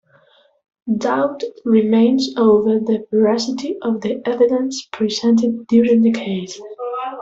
Doubt remains over the veracity of the evidence presented during the case.